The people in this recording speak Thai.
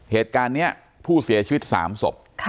เหตุการณ์นี้ผู้เสียชีวิต๓ศพ